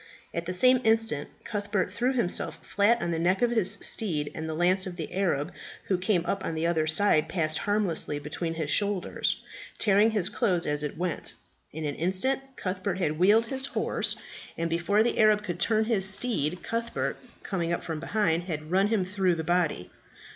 At the same instant Cuthbert threw himself flat on the neck of his steed and the lance of the Arab who came up on the other side passed harmlessly between his shoulders, tearing his clothes as it went. In an instant Cuthbert had wheeled his horse, and before the Arab could turn his steed Cuthbert, coming up from behind, had run him through the body.